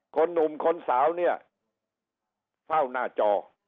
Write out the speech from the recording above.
หนุ่มคนสาวเนี่ยเฝ้าหน้าจอ